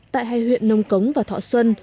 tại hai huyện nông cống và thọ xuân